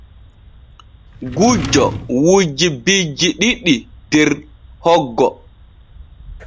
Gujjo wujji bijji ɗiɗi der hoggo.